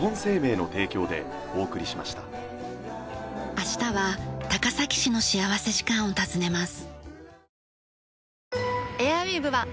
明日は高崎市の幸福時間を訪ねます。